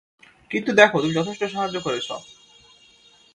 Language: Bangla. কিন্তু দেখো, তুমি যথেষ্ট সাহায্য করেছো।